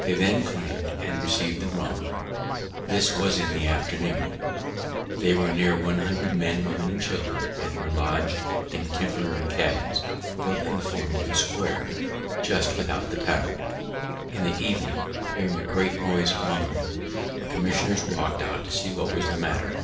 They then claim'd and received the rum; this was in the afternoon: they were near one hundred men, women, and children, and were lodg'd in temporary cabins, built in the form of a square, just without the town. In the evening, hearing a great noise among them, the commissioners walk'd out to see what was the matter.